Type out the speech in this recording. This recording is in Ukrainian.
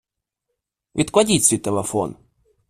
Відкладіть свій телефон.